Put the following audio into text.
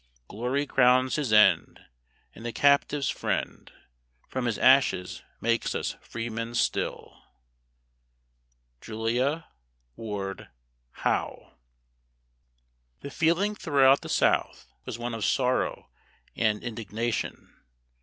Glory crowns his end, And the captive's friend From his ashes makes us freemen still. JULIA WARD HOWE. The feeling throughout the South was one of sorrow and indignation.